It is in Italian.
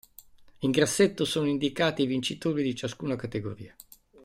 In grassetto sono indicati i vincitori di ciascuna categoria.